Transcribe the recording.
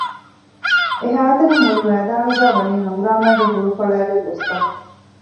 އެހައިތަނުން މުޅިމައިދާނުގައިވަނީ ހަނގުރާމައިގެ ހުޅުފަޅައިގެން ގޮސްފަ